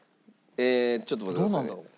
えーちょっと待ってください。